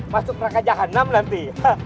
masuk raka jahat enam nanti